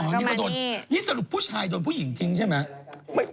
นี่สรุปผู้ชายโดนผู้หญิงทิ้งใช่ไหม